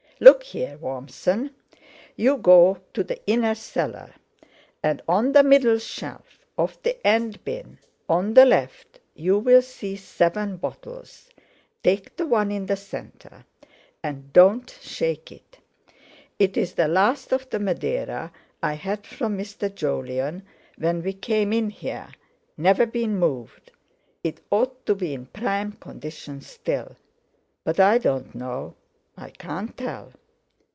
"Look here, Warmson, you go to the inner cellar, and on the middle shelf of the end bin on the left you'll see seven bottles; take the one in the centre, and don't shake it. It's the last of the Madeira I had from Mr. Jolyon when we came in here—never been moved; it ought to be in prime condition still; but I don't know, I can't tell."